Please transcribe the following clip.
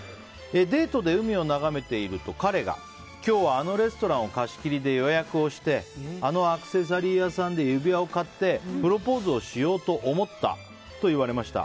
デートで海を眺めていると彼が今日はあのレストランを貸切で予約をしてあのアクセサリー屋さんで指輪を買ってプロポーズをしようと思ったと言われました。